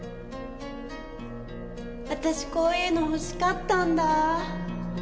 私こういうの欲しかったんだ。